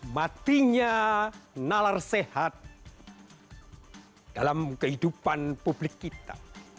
matinya nalar sehat dalam kehidupan publik kita